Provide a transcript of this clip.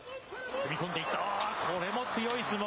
踏み込んでいって、これも強い相撲。